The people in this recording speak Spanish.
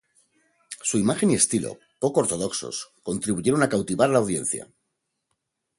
Su imagen y estilo, poco ortodoxos, contribuyeron a cautivar a la audiencia.